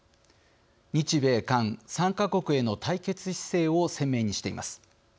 日米韓３か国への対決姿勢を鮮明にしています。